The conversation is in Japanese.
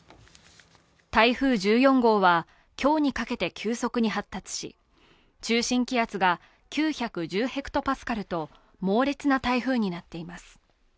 台風１４号は、今日にかけて急速に発達し、中心気圧が９１０ｈＰａと猛烈な台風になっています。